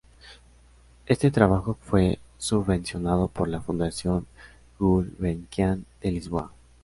Este trabajo fue subvencionado por la Fundación Gulbenkian de Lisboa.